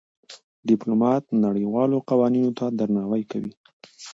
ډيپلومات نړېوالو قوانينو ته درناوی کوي.